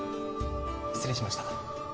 失礼しました